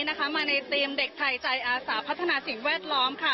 มาในธีมเด็กไทยใจอาสาพัฒนาสิ่งแวดล้อม